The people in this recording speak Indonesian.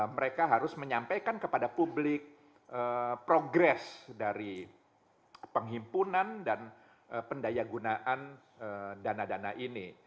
mereka harus menyampaikan kepada publik progres dari penghimpunan dan pendaya gunaan dana dana ini